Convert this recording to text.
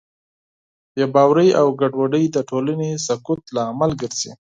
بېباورۍ او ګډوډۍ د ټولنې د سقوط لامل ګرځي.